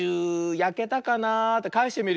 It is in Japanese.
やけたかな。